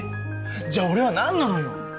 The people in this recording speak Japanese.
じゃあ俺は何なのよ？